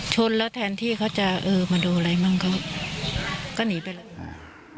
ชนแล้วแทนที่เขาจะเออมาดูอะไรมั่งเขาก็หนีไปเลยมา